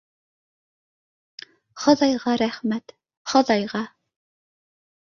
Хоҙайға рәхмәт, Хоҙайға!